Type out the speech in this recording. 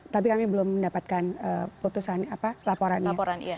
tapi kami belum mendapatkan putusan laporannya